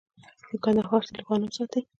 د کندهار سیلو غنم ساتي.